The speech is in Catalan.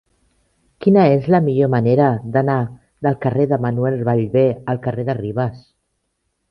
Quina és la millor manera d'anar del carrer de Manuel Ballbé al carrer de Ribes?